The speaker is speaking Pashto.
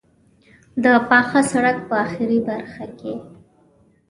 د پاخه سړک په آخري برخه کې.